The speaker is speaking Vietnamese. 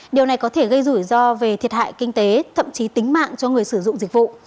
điều này có thể gây rủi ro về thiệt hại kinh tế thậm chí tính mạng cho người sử dụng dịch vụ